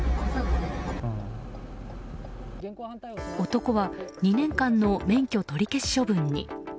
男は２年間の免許取り消し処分に。